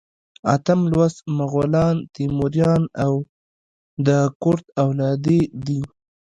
اتم لوست مغولان، تیموریان او د کرت اولادې دي.